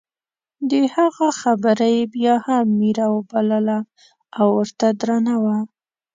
د هغه خبره یې بیا هم میره وبلله او ورته درنه وه.